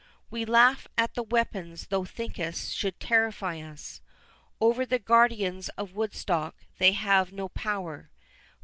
"We laugh at the weapons thou thinkest should terrify us—Over the guardians of Woodstock they have no power.